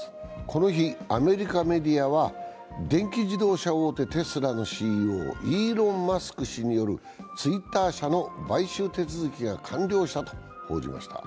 この日、アメリカメディアは電気自動車大手テスラのＣＥＯ、イローン・マスク氏によるツイッター社の買収手続きが完了したとしました。